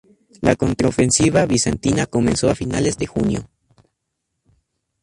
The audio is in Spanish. La contraofensiva bizantina comenzó a finales de junio.